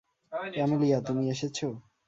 Amelia তুমি এসেছো?